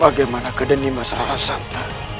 bagaimana keadaan masyarakat